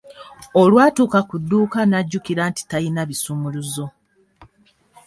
Olwatuuka ku dduuka n'ajjukira nti talina bisumuluzo.